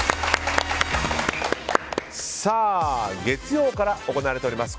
月曜から行われております